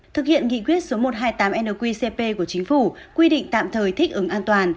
thực hiện nghị quyết số một trăm hai mươi tám nqcp của chính phủ quy định tạm thời thích ứng an toàn